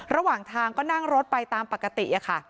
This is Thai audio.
ระหว่างทางก็นั่งรถไปตามปกติค่ะ